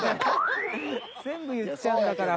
全部言っちゃうんだから。